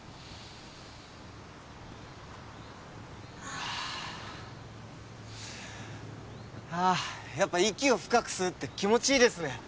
はあっやっぱ息を深く吸うって気持ちいいですね